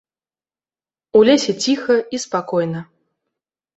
У лесе ціха і спакойна.